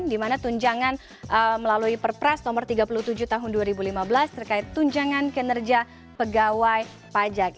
di mana tunjangan melalui perpres nomor tiga puluh tujuh tahun dua ribu lima belas terkait tunjangan kinerja pegawai pajak